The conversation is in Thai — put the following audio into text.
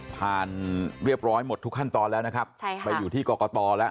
เรียบร้อยหมดทุกขั้นตอนแล้วนะครับใช่ค่ะไปอยู่ที่กรกตแล้ว